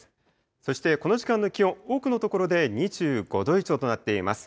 そしてこの時間の気温、多くの所で２５度以上となっています。